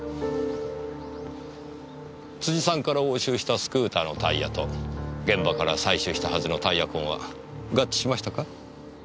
辻さんから押収したスクーターのタイヤと現場から採取したはずのタイヤ痕は合致しましたか？